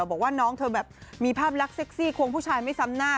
บอกว่าน้องเธอแบบมีภาพลักษณ์เซ็กซี่ควงผู้ชายไม่ซ้ำหน้า